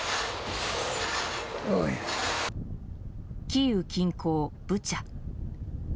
キーウ近郊ブチャ。